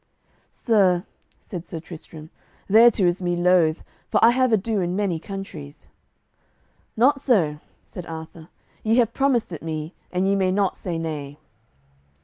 "Sir," said Sir Tristram, "thereto is me loath, for I have ado in many countries." "Not so," said Arthur; "ye have promised it me, and ye may not say nay."